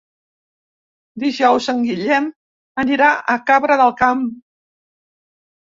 Dijous en Guillem anirà a Cabra del Camp.